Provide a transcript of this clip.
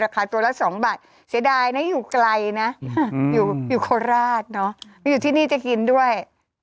ราคาตัวละ๒บาทเสียดายนะอยู่ไกลนะอยู่โคราชเนอะแล้วอยู่ที่นี่จะกินด้วย